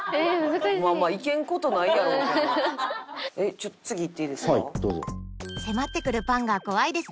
ちょっと次いっていいですか？